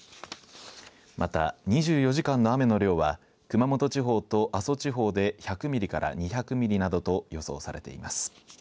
また、２４時間の雨の量は熊本地方と阿蘇地方で１００ミリから２００ミリなどと予想されます。